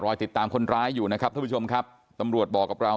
ติดตามคนร้ายอยู่นะครับท่านผู้ชมครับตำรวจบอกกับเรา